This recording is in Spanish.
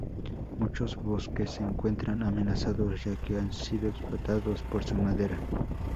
Muchos bosques se encuentran amenazados, ya que han sido explotados por su madera.